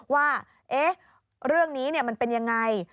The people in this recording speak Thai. ว่าเรื่องนี้มันเป็นยังไง